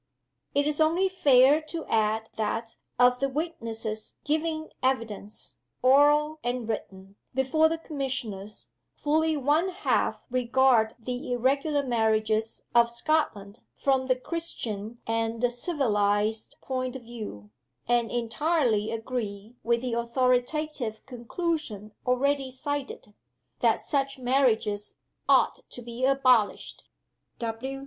It is only fair to add that, of the witnesses giving evidence oral and written before the Commissioners, fully one half regard the Irregular Marriages of Scotland from the Christian and the civilized point of view, and entirely agree with the authoritative conclusion already cited that such marriages ought to be abolished.